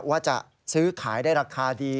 ว่าจะซื้อขายได้ราคาดี